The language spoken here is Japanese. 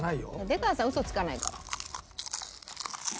出川さんウソつかないから。